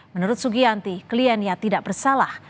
menurut sugianti kliennya tidak bersalah